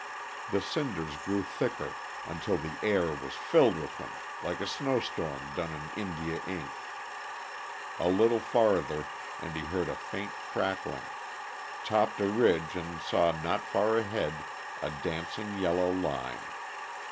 The cinders grew thicker, until the air was filled with them, like a snowstorm done in India ink. A little farther and he heard a faint crackling; topped a ridge and saw not far ahead, a dancing, yellow line.